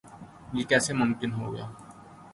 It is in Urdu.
یہ کیسے ممکن ہو گا؟